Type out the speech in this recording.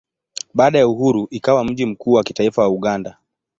Baada ya uhuru ikawa mji mkuu wa kitaifa wa Uganda.